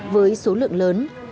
với số lượng lớn